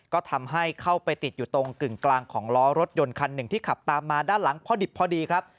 ก็ทำให้เข้าไปติดอยู่ตรงกึ่งกลางของล้อรถยนต์คันหนึ่งที่ขับตามมาด้านหลังพอดิบพอดีครับ